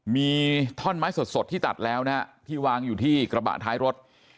มีท่อนไม้สดที่ตัดแล้วนะฮะที่วางอยู่ที่กระบะท้ายรถ